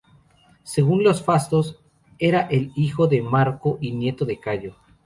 Según los Fastos era el hijo de Marco y nieto de Cayo.